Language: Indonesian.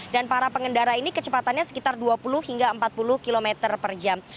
dan para pengendara ini kecepatannya sekitar dua puluh hingga empat puluh kilometer per jam